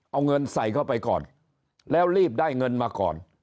เอาเงินใส่เข้าไปก่อนแล้วรีบได้เงินมาก่อน